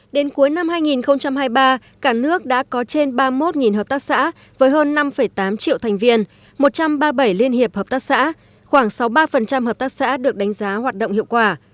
đến cuối năm hai nghìn hai mươi ba cả nước đã có trên ba mươi một hợp tác xã với hơn năm tám triệu thành viên một trăm ba mươi bảy liên hiệp hợp tác xã khoảng sáu mươi ba hợp tác xã được đánh giá hoạt động hiệu quả